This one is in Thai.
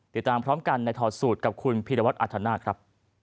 ติดตามพร้อมกันในถอดสูตรกับคุณพีรวัตรอัธนาคครับ